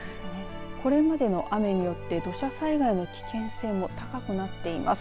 これまでの雨によって土砂災害の危険性も高くなっています。